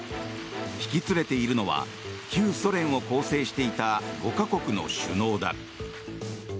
引き連れているのは旧ソ連を構成していた５か国の首脳だ。